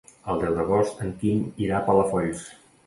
El deu d'agost en Quim irà a Palafolls.